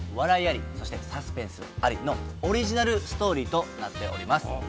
ありそしてサスペンスありのオリジナルストーリーとなっております